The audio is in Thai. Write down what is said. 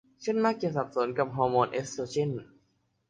ฉันมักจะสับสนกับฮอร์โมนเอสโตรเจน